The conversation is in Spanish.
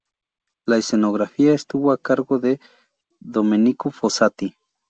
La escenografía estuvo a cargo de Domenico Fossati.